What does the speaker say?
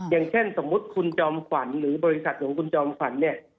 อย่างแท่นสมมติว่าคุณจอมขวัญหรือบริษัทของคุณจอมขวัญ